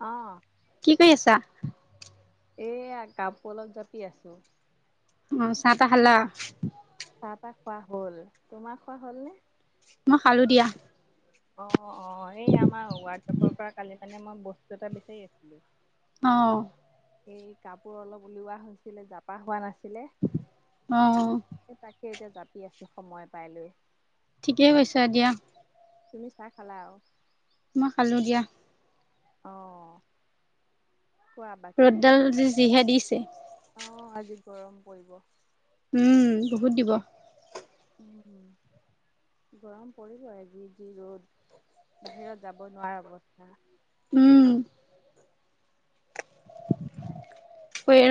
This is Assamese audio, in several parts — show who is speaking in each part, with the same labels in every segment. Speaker 1: অ'।
Speaker 2: কি কৰি আছা?
Speaker 1: এয়া কাপোৰ অলপ জাপি আছো।
Speaker 2: অ' চাহ টাহ খালা?
Speaker 1: চাহ তাহ খোৱা হ'ল, তোমাৰ খোৱা হ'ল নে?
Speaker 2: মই খালো দিয়া।
Speaker 1: অ' অ' এই আমাৰ হোৱাটছআপৰ পৰা কালি মানে মই বস্তু এটা বিচাৰি আছিলো।
Speaker 2: অ'।
Speaker 1: এই কাপোৰ অলপ উলিওৱা হৈছিলে, জাপা হোৱা নাছিলে।
Speaker 2: অ'।
Speaker 1: তাকে এতিয়া জাপি আছো সময় পাই লৈ।
Speaker 2: ঠিকে কৈছা দিয়া।
Speaker 1: তুমি চাহ খালা আৰু?
Speaker 2: মই খালো দিয়া।
Speaker 1: অ'। কোৱা বাকী
Speaker 2: ৰ'দডাল যিহে দিছে।
Speaker 1: অ' আজি গৰম পৰিব।
Speaker 2: উম বহুত দিব।
Speaker 1: উম হম। গৰম পৰিব এ জি জি ৰ'দ, বাহিৰত যাব নোৱাৰা অৱস্থা।
Speaker 2: উম।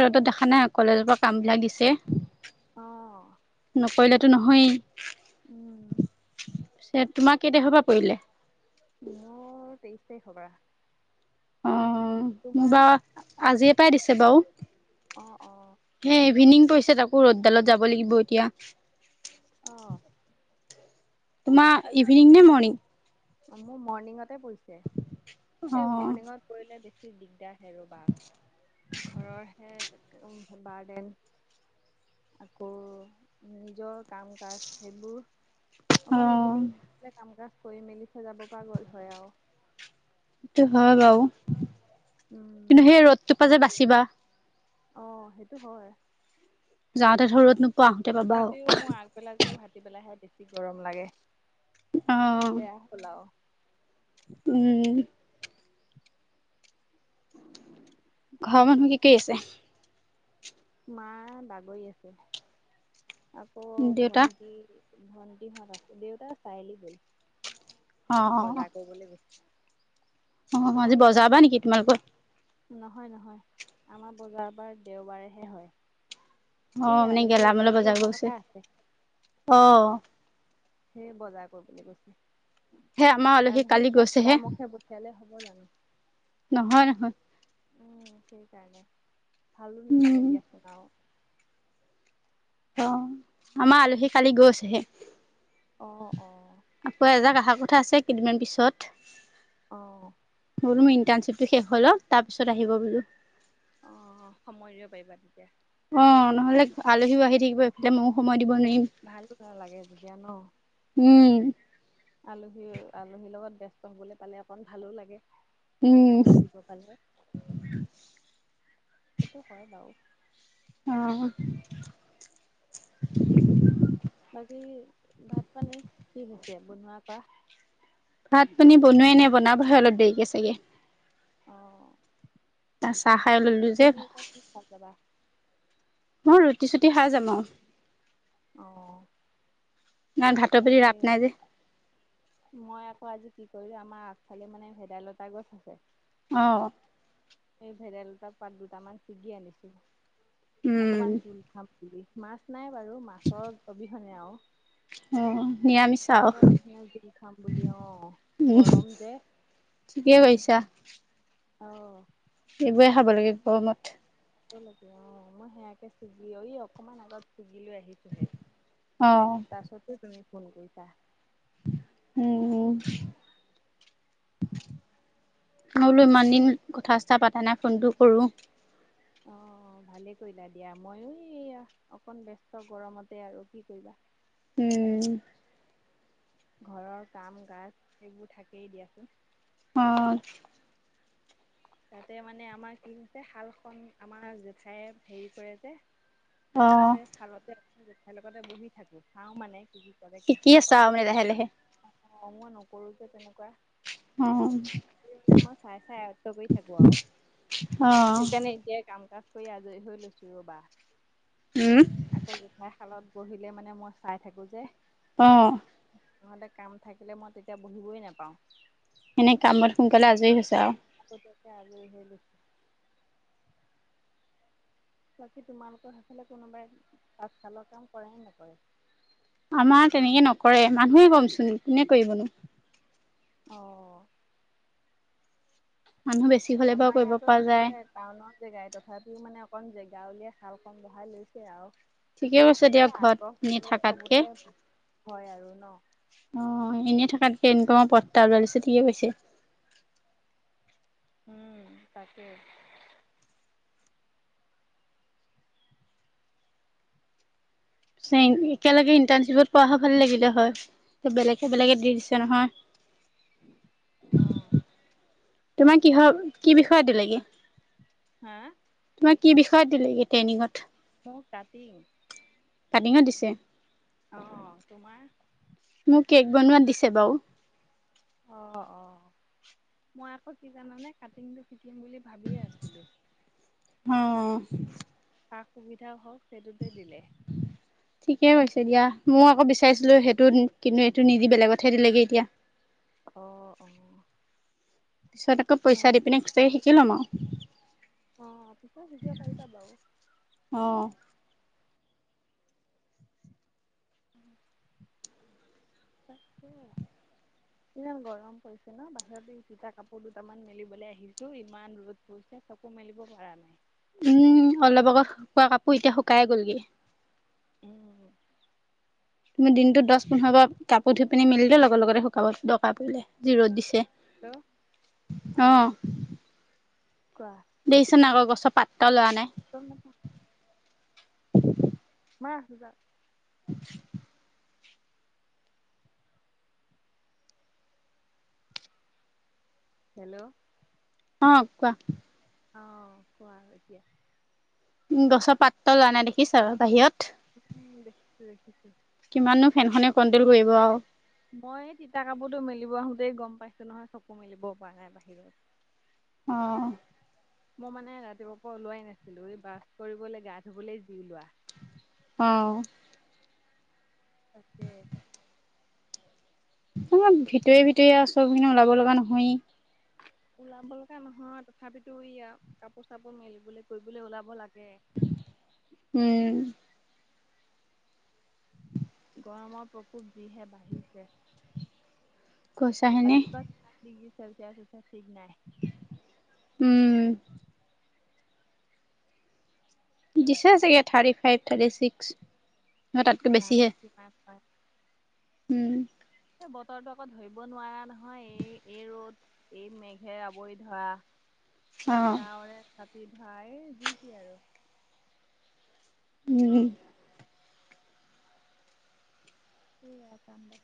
Speaker 2: ৰদত দেখা নাই কলেজৰ পৰা কাম বিলাক দিছে।
Speaker 1: অ
Speaker 2: নকৰিলেতো নহয়েই।
Speaker 1: উম।
Speaker 2: পি তোমাৰ কেই তাৰিখৰ পৰা পৰিলে?
Speaker 1: মোৰ তেইশ তাৰিখৰ পৰা।
Speaker 2: অ' মোৰ
Speaker 1: তোমাৰ
Speaker 2: বাৰ আজিয়ে পাই দিছে বাৰু।
Speaker 1: অ' অ'।
Speaker 2: হে ইভিনিং পৰিছে, তাকো ৰ'দডালত যাব লাগিব এতিয়া।
Speaker 1: অ'।
Speaker 2: তোমাৰ ইভিনিং নে মৰ্ণিং?
Speaker 1: মোৰ মৰ্ণিঙতে পৰিছে,
Speaker 2: অ
Speaker 1: এই মৰ্ণিঙত পৰিলে বেছি দিগদাৰ হয় ৰ'বা। ঘৰৰ হে বাৰ্ডেন। আকৌ, নিজৰ কাম কাজ সেইবোৰ।
Speaker 2: অ
Speaker 1: অকন ইভিনিং দিলে, কাম কাজ কৰি মেলি থৈ যাব পৰা গ'ল হয় আৰু।
Speaker 2: সেইটো হয় বাৰু।
Speaker 1: উম।
Speaker 2: কিন্তু সেই ৰ'দটোৰ পৰা যে বাচিবা।
Speaker 1: অ' সেইটো হয়।
Speaker 2: যাওঁতে ধৰ ৰদ নোপোৱা। পাবা আৰু
Speaker 1: তথাপিও মোৰ আগবেলাতকে ভাটি বেলাহে বেছি গৰম লাগে,
Speaker 2: অ
Speaker 1: বেয়া পোলাও।
Speaker 2: উম।
Speaker 1: [unintelligible]
Speaker 2: ঘৰৰ মানুহ কি কৰি আছে?
Speaker 1: মা বাগৰি আছে। আকৌ
Speaker 2: দেউতা
Speaker 1: ভন্টি ভন্টিহঁত আছে, দেউতা চাৰিআলি গ'ল।
Speaker 2: অ
Speaker 1: বজাৰ কৰিবলৈ গৈছে।
Speaker 2: অ' আজি
Speaker 1: তোমালোকৰ
Speaker 2: বজাৰ বাৰ নেকি তোমালোকৰ?
Speaker 1: নহয় নহয়, আমাৰ বজাৰবাৰ দেওবাৰেহে হয়।
Speaker 2: অ
Speaker 1: এই
Speaker 2: মানে
Speaker 1: আলহী
Speaker 2: গেলামালৰ
Speaker 1: এগৰাকী
Speaker 2: বজাৰ
Speaker 1: অহা
Speaker 2: গৈছে
Speaker 1: কথা আছে।
Speaker 2: অ'।
Speaker 1: সেই বজাৰ কৰিবলৈ গৈছে,
Speaker 2: সেই আমাৰ আলহী
Speaker 1: আৰু
Speaker 2: কালি
Speaker 1: ধক যেতিয়া
Speaker 2: গৈছেহে
Speaker 1: খুদা মুখে পঠিয়াহলে হ'ব জানো।
Speaker 2: নহয় নহয়।
Speaker 1: উম সেইকাৰণে, ভালো নালাগে
Speaker 2: উম
Speaker 1: দিয়াচোন আৰু।
Speaker 2: অ', আমাৰ আলহী কালি গৈছেহে।
Speaker 1: অ', অ'।
Speaker 2: আকৌ এজাক আহা কথা আছে কেইদিনমান পিছত।
Speaker 1: অ'।
Speaker 2: বোলো মোৰ ইণ্ট্ণশিপটো শেষ হৈ লক তাৰ পিছত আহিব বোলো।
Speaker 1: অ', সময় দিব পাৰিবা তেতিয়া।
Speaker 2: অ', নহ'লে আলহীও আহি থাকিব এইফালে ময়ো সময় দিব নোৱাৰিম।
Speaker 1: ভালো নালাগে তেতিয়া ন।
Speaker 2: উম
Speaker 1: আলহী আলহীৰ লগত ব্যস্ত হবলৈ পালে অকণ ভালো লাগে। সময়
Speaker 2: উম
Speaker 1: দিব পালে, সেইটো হয় বাৰু।
Speaker 2: অ'।
Speaker 1: বাকী ভাত পানী, কি হৈছে বনোৱাৰ কৰা।
Speaker 2: ভাত পানী বনোৱাই নাই বনাবহে অলপ দেৰিকে চাগে।
Speaker 1: অ'।
Speaker 2: ত চাহ খাই ললো যে।
Speaker 1: তুমি [unintelligible]
Speaker 2: মই ৰুটি চুটি খাই যাম আৰু।
Speaker 1: অ'।
Speaker 2: ইমান ভাতৰ প্ৰতি ৰাপ
Speaker 1: তাকে।
Speaker 2: নাই যে
Speaker 1: মই আকৌ আজি কি কৰিলো, আমাৰ আগফালে মানে ভেদাইলতা গছ আছে
Speaker 2: অ'।
Speaker 1: এই ভেদেলতা পাত দুটামান ছিগি আনিছো,
Speaker 2: উম
Speaker 1: অকমান জোল খাম বুলি। মাছ নাই বাৰু, মাছৰ অবিহনে আৰু।
Speaker 2: অ নিৰামিষ আৰু
Speaker 1: মাছৰ বিছনা জোই খাম বুলি অ'
Speaker 2: উম
Speaker 1: গৰম যে।
Speaker 2: ঠিকে কৈছা।
Speaker 1: অ'।
Speaker 2: এইবোৰে খাব লাগে গৰমত।
Speaker 1: ল অ' মই সেয়াকে ছিগি অ' অকমান আগত ছিগি লৈ আহিছোহে।
Speaker 2: অ'।
Speaker 1: তাৰপাছতে তুমি ফোন কৰিছা।
Speaker 2: উম। মই বোলো ইমান দিন কথা চথা পাতা নাই ফোনটো কৰো।
Speaker 1: অ', ভালেই কৰিলা দিয়া, ময়ো এই অকণ ব্যস্ত গৰমতে আৰু কি কৰিবা।
Speaker 2: উম।
Speaker 1: ঘৰৰ কাম কাজ সেইবোৰ থাকেই দিয়াচোন।
Speaker 2: অ'।
Speaker 1: তাতে মানে আমাৰ কি হৈছে, শালখন আমাৰ জেঠাই হেৰি কৰে যে।
Speaker 2: অ
Speaker 1: সেই শালতে, জেঠাইৰ লগতে বহি থাকো, চাও মানে কি
Speaker 2: কি কি চাও দে লাহে লাহে।
Speaker 1: অ', মই নকৰো যে তেনেকুৱা।
Speaker 2: অ'।
Speaker 1: মই মানে চাই চাই আত্ত কৰি থাকো আৰু।
Speaker 2: অ
Speaker 1: সেইকাৰণে এতিয়াই কাম কাজ কৰি আজৰি হৈ লৈছো ৰ'বা।
Speaker 2: উম।
Speaker 1: আকৌ জোঠাই শালত গহিলে মানে মই চাই থাকো যে।
Speaker 2: অ'।
Speaker 1: নহলে কাম থাকিলে মই তেতিয়া বহিবই নোপাওঁ।
Speaker 2: এনে কামত সোনকালে আজৰি হৈছে আৰু।
Speaker 1: আকৌ তাকে আজৰি হৈ বাকি তোমালোকৰ সেইফালে কোনোবাই, পাছফালৰ কাম কৰে নে নকৰে?
Speaker 2: আমাৰ তেনেকে নকৰে, মানুহে ক'মচোন কোনে কৰিবনো।
Speaker 1: অ'।
Speaker 2: মানুহ বেছি হ'লে বাৰু কৰিব পৰা যায়।
Speaker 1: টাউনত জেগাই তথাপিও মানে অকণ জেগা উলিয়াই শাল খন বহাই লৈছে আৰু।
Speaker 2: ঠিকে কৈছে দিয়ক
Speaker 1: এ
Speaker 2: ঘৰত
Speaker 1: আগ্ৰহ
Speaker 2: এনে
Speaker 1: থাকিলে,
Speaker 2: থাকাতকে
Speaker 1: সবতে হয় আৰু ন।
Speaker 2: অ' এনেই থকাতকে ইনকামৰ পথ এটা ওলাইছে ঠিকে কৈছে।
Speaker 1: উম তাকেই।
Speaker 2: একেলগে ইণ্টাৰ্ণশ্বিপত প ভাল লাগিলে হয়, বেলেগে বেলেগে দি দিছে নহয়।
Speaker 1: অ'।
Speaker 2: তোমাৰ
Speaker 1: তাকে
Speaker 2: কিহৰ, কি বিষয়ত দিলেগে?
Speaker 1: হা
Speaker 2: তোমাক কি বিষয়ত দিলেগে
Speaker 1: মোৰ কাটিং
Speaker 2: ট্ৰেইনিঙত? কাটিংত দিছে?
Speaker 1: অহ। তোমাৰ?
Speaker 2: মোক কেক বনোৱাত দিছে বাও।
Speaker 1: অ'। অ'। মই আকৌ কি জানানে কাটিংটো শিকিম বুলি ভাবিয়ে আছিলোঁ।
Speaker 2: অহ।
Speaker 1: সা-সুবিধাও হওঁক, সেইটোতে দিলে।
Speaker 2: [inaudible] ঠিকে কৈছে দিয়া। মও আকৌ বিচাৰিছিলো হেটোত কিন্তু হেটো নিদি বেলেগতহে দিলেগে এতিয়া।
Speaker 1: অহ। অহ।
Speaker 2: পিছত আকৌ পইচা দি
Speaker 1: নেকি
Speaker 2: পিনে এক্সট্ৰাকে শিকি ল'ম আৰু।
Speaker 1: অহ। পিছত শিকিব পাৰিবা বাও।
Speaker 2: অহ।
Speaker 1: তাককে।
Speaker 2: [inaudible]
Speaker 1: ইমান গৰম পৰিছে ন। বাহিৰতো এ তিতা কাপোৰদুটামান মেলিবলৈ আহিছো, ইমান ৰ'দ পইছে কাপোৰ মেলিব পৰা নাই।
Speaker 2: উম। অলপ আগত শুকোৱা কাপোৰ এতিয়া শুকায়ে গ'লগে।
Speaker 1: উম।
Speaker 2: তুমি দিনটোত দছ-পোন্ধৰবাৰ কাপোৰ ধুই পিনি মেলিলেও লগত লগতে শুকাব, দৰকাৰ পৰিলে। যি ৰ'দ দিছে।
Speaker 1: হেল্ল'।
Speaker 2: অ
Speaker 1: অহ। কোৱা।
Speaker 2: দেখিছনে আকৌ গছৰ পাত এটাও লৱা নাই।
Speaker 1: গম নাপাওঁ। মা আছে যাওক
Speaker 2: [inaudible]
Speaker 1: হেল্ল'।
Speaker 2: অহ। কোৱা।
Speaker 1: অহ। কোৱা এতিয়া।
Speaker 2: উম। গছৰ পাত এটাও লৱা নাই, দেখিছা আৰু বাহিৰত।
Speaker 1: উম। দেখিছো। দেখিছো।
Speaker 2: কিমাননো ফেনখনে কণ্ট্ৰোল কৰিব আৰু।
Speaker 1: মই তিতা কাপোৰটো মেলিব আহোতেই গম পাইছো নহয়, চকু মেলিব পৰা নাই বাহিৰত।
Speaker 2: অহ।
Speaker 1: মই মানে ৰাতিপুৱাৰ পৰা ওলোৱাই নাছিলো। এই ব্ৰাছ কৰিবলৈ, গা ধুবলৈ যি ওলোৱা।
Speaker 2: অহ।
Speaker 1: তাকে।
Speaker 2: তোমাৰ ভিতৰি- ভিতৰি আৰু চবখিনি। ওলাব লগা নহয়েই।
Speaker 1: ওলাব লগা নহয়। তথাপিতো এইয়া কাপোৰ- চাপোৰ মেলিবলৈ- কৰিবলৈ ওলাব লাগে।
Speaker 2: [unintelligible] উম।
Speaker 1: গৰমৰ প্ৰকোপ যিহে বাঢ়িছে,
Speaker 2: কৈছা হেনে
Speaker 1: [unintelligible] কিমান ডিগ্ৰী চেলচিয়াছ উঠে, ঠিক নাই।
Speaker 2: উম। দিছে চাগে থাৰ্টি -ফাইভ, থাৰ্টি -ছিক্স। ন তাতকৈ বেছিহে
Speaker 1: জানো কিমান হয়!
Speaker 2: উম।
Speaker 1: এই বতৰটো আকৌ ধৰিব নোৱাৰা নহয়, এই -এই ৰ'দ। এই মেঘে আৱৰি ধৰা,
Speaker 2: অ
Speaker 1: এ ডাৱৰে ছাতি ধৰা, যি তি আৰু।
Speaker 2: উম।
Speaker 1: [unintelligible] যাম দে,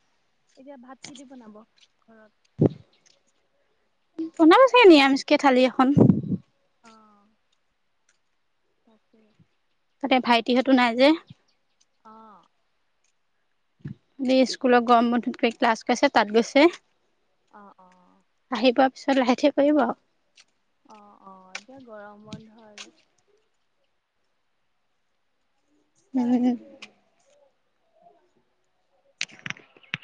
Speaker 1: এতিয়া ভাত কি দি বনাব ঘৰত?
Speaker 2: বনাব চাগে নিৰামিষকে থালি এখন।
Speaker 1: অ'। অ'কে।
Speaker 2: তাতে ভাইটিহঁতো নাই যে।
Speaker 1: অ'।
Speaker 2: [unintelligible] স্কুলত গৰম বন্ধত গৈ ক্লাছ কৰাইছে, তাত গৈছে।
Speaker 1: অ', অ'।
Speaker 2: আহি পোৱা পিছত লাহে ধীৰে কৰিব আৰু।
Speaker 1: অ', অ', এতিয়া গৰম বন্ধ আৰু।
Speaker 2: উম। [inaudible]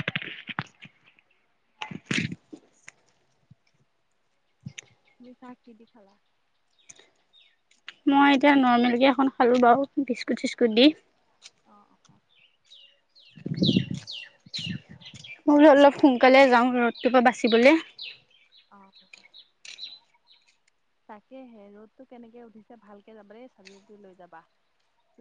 Speaker 1: তুমি চাহ কি দি খালা?
Speaker 2: মই এতিয়া নৰৰ্মেলকে এখন খালো বাৰু, বিস্কুট চিস্কুট দি।
Speaker 1: অ', অ', অ'।
Speaker 2: মই বুলো অলপ সোনকালে যাওঁ ৰদটোৰ পৰা বাচিবলে।
Speaker 1: অ'। তাকেহে ৰ'দটো কেনেকে উঠিছে, ভালকে যাবা দেই ছাতি-তাতি লৈ যাবা।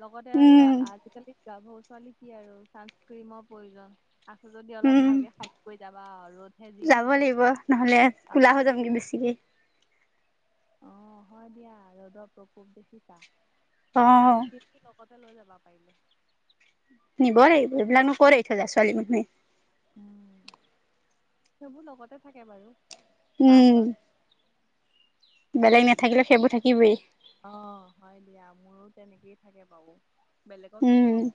Speaker 1: লগতে আৰু
Speaker 2: উম
Speaker 1: আজিকালি গাভৰু ছোৱালী কি আৰু ছানচক্ৰীমৰ প্ৰয়োজন। আছে যদি অলপ
Speaker 2: উম
Speaker 1: ভালকে [unintelligible] কৰি যাবা আৰু ৰদ
Speaker 2: যাব লাগিব নহ'লে, ক'লা হৈ যামগে বেছিকে।
Speaker 1: অ', হয় দিয়া ৰ'দৰ প্ৰকোপ দেখিছা।
Speaker 2: অ
Speaker 1: ছানস্ক্ৰিমটো লগতে লৈ লবা পাৰিলে।
Speaker 2: নিব লাগিব, এইবিলাকনো কত এৰি থৈ যায় ছোৱালী মানুহে।
Speaker 1: উম, সেইবোৰ লগতে থাকে বাৰু।
Speaker 2: উম।
Speaker 1: পাৰ্চত।
Speaker 2: বেলেগ নাথাকিলেও সেইবোৰ থাকিবই।
Speaker 1: অ', হয় দিয়া মোৰো তেনেকেই থাকে বাৰু, বেলেগক কি ক'ম।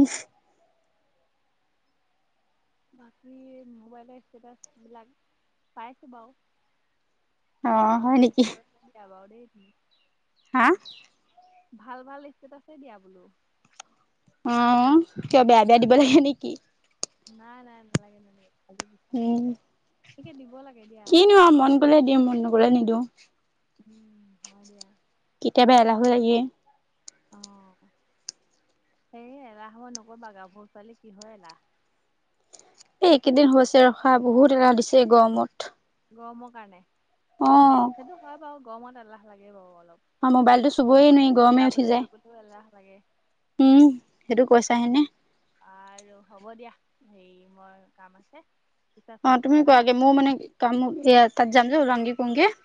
Speaker 2: ইচ
Speaker 1: বাকী মোবাইলৰ ষ্টেটাচ বিলাক, পাইছো বাৰু।
Speaker 2: অ
Speaker 1: ভাল
Speaker 2: হয়
Speaker 1: ভাল
Speaker 2: নেকি
Speaker 1: [unintelligible] দিয়া দেই তুমি।
Speaker 2: হা।
Speaker 1: ভাল ভাল ষ্টেতাছেই দিয়া বোলো।
Speaker 2: অ', কিয় বেয়া বেয়া দিব লাগে নেকি?
Speaker 1: নাই নাই, নেলাগে নেলাগে।
Speaker 2: উম
Speaker 1: [unintelligible] দিব লাগে দিয়া।
Speaker 2: কিনো আৰু মন গ'লে দিওঁ মন নগ'লে নিদিওঁ
Speaker 1: উম, হয় দিয়া।
Speaker 2: কেতিয়াবা এলাহো লাগে।
Speaker 1: অ', হে এলাহ [unintelligible] নকৰিবা, গাভৰু ছোৱালী কিহৰ এলাহ।
Speaker 2: এইকেইদিন হৈছে ৰখা বহুত এলাহ দিছে গৰমত।
Speaker 1: গৰমৰ কাৰণে।
Speaker 2: অ'।
Speaker 1: সেইটো হয় বাৰু, গৰমত এলাহ লাগেই বাৰু অলপ।
Speaker 2: অ', মোবাইলটো চুবই নোৱাৰি গৰমেই উঠি
Speaker 1: ওলাবলৈ
Speaker 2: যায়।
Speaker 1: কৰিবলৈও এলাহ লাগে।
Speaker 2: উম, সেইটো কৈছা হেনে।
Speaker 1: আৰু হ'ব দিয়া, হেৰি মোৰ কাম আছে। পিছত ফোন
Speaker 2: অ',
Speaker 1: কৰিম
Speaker 2: তুমি
Speaker 1: হা।
Speaker 2: কোৱা আগে, মোৰ মানে কাম এ তাত যাম যে। [unintelligible]